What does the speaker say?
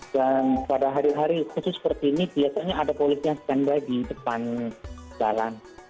dan pada hari hari khusus seperti ini biasanya ada polisi yang stand by di depan jalan